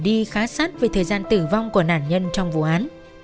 đi khá sát về thời gian tử vong của nạn nhân trong vụ án